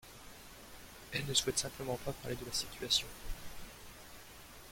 Elle ne souhaite simplement pas parler de la situation.